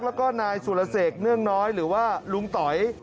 แล้วก็นายสุรเสกเนื่องน้อยหรือว่าลุงต๋อย